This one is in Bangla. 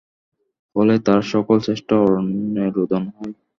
ফলে তাঁর সকল চেষ্টা অরণ্যে রোদন হয়।